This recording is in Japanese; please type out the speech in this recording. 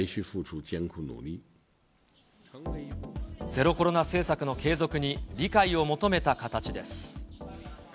ゼロコロナ政策の継続に理解を求めた形です。